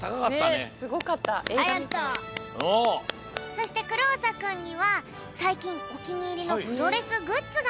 そしてクローサくんにはさいきんおきにいりのプロレスグッズがあるんだよね？